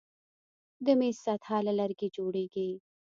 د میز سطحه له لرګي جوړیږي.